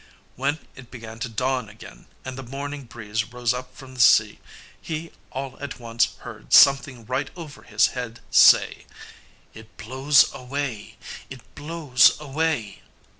When it began to dawn again, and the morning breeze rose up from the sea, he all at once heard something right over his head say "It blows away, it blows away!"